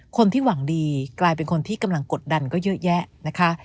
คนที่หวังดีกลายเป็นคนที่กำลังกดดันก็เยอะแยะนะคะ